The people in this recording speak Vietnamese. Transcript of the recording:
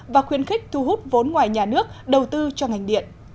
và khuyên khích thu hút vốn ngoài nhà nước đầu tư cho ngành điện